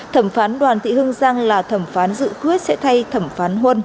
thẩm phán đoàn thị hưng rằng là thẩm phán dự quyết sẽ thay thẩm phán huân